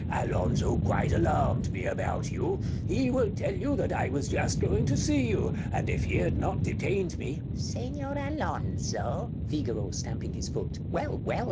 Alonzo quite alarmed me about you. He will tell you that I was just going to see you, and if he had not detained me Basilio [in astonishment] Señor Alonzo? Figaro [stamping his foot] Well, well!